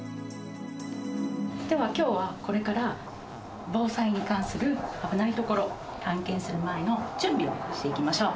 では今日はこれから防災に関する危ないところ探検する前の準備をしていきましょう。